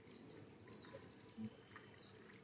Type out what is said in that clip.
তিনি তরুণ প্রতিভাবান খেলোয়াড়দের সন্ধানে থাকতেন।